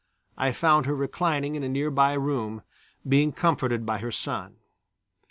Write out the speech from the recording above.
I found her reclining in a nearby room, being comforted by her son.